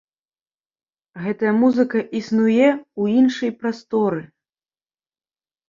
Гэтая музыка існуе ў іншай прасторы.